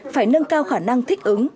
phải nâng cao khả năng thích ứng